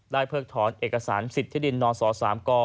เพิกถอนเอกสารสิทธิดินนศ๓ก